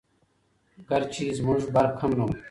ګرچې زموږ برق هم نه وو🤗